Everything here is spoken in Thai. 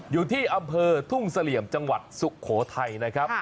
อยู่ที่อำเภอทุ่งเสลี่ยมจังหวัดสุโขทัยนะครับ